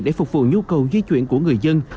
để phục vụ nhu cầu di chuyển của người dân